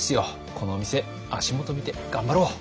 このお店足元見て頑張ろう。